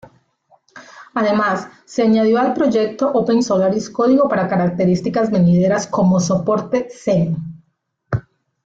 Además, se añadió al proyecto OpenSolaris código para características venideras como soporte Xen.